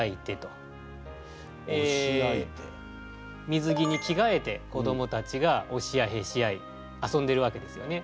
水着に着がえて子どもたちが押し合いへし合い遊んでるわけですよね。